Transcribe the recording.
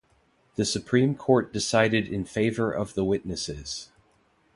The Supreme Court decided in favor of the Witnesses.